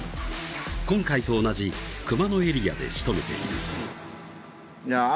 今回と同じ熊野エリアでしとめているいや